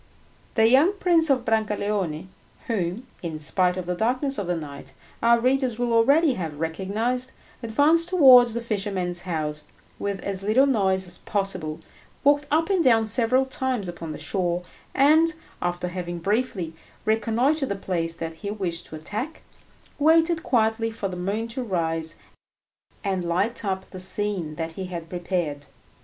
The young Prince of Brancaleone, whom, in spite of the darkness of the night, our readers will already have recognised, advanced towards the fisherman's house, with as little noise as possible, walked up and down several times upon the shore, and, after having briefly reconnoitred the place that he wished to attack, waited quietly for the moon to rise and light up the scene that he had prepared.